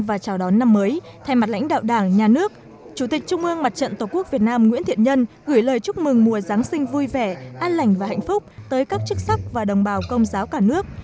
chào đón năm mới thay mặt lãnh đạo đảng nhà nước chủ tịch trung ương mặt trận tổ quốc việt nam nguyễn thiện nhân gửi lời chúc mừng mùa giáng sinh vui vẻ an lành và hạnh phúc tới các chức sắc và đồng bào công giáo cả nước